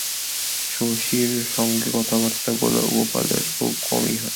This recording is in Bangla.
শশীর সঙ্গে কথাবার্তা গোপালের খুব কমই হয়।